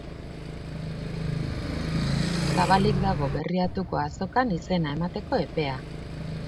Zabalik dago Berriatuko azokan izena emateko epea